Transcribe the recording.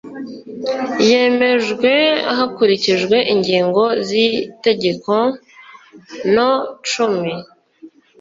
yemejwe hakurikijwe ingingo z itegeko no cumi